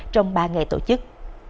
trong ba ngày tổ chức